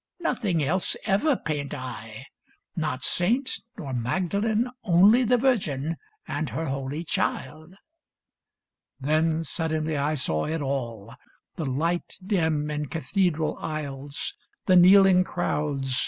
Nothing else Ever paint I ! Not saint, nor Magdalen, Only the Virgin and her Holy Child." Then suddenly I saw it all — the light Dim in cathedral aisles, the kneeling crowds.